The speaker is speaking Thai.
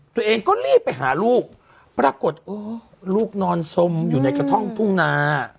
ตัวเองก็รีบไปหาลูกปรากฏโอ้ลูกนอนสมอยู่ในกระท่อมทุ่งนา